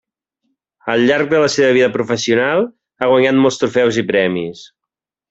Al llarg de la seva vida professional ha guanyat molts trofeus i premis.